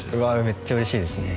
めっちゃ嬉しいですね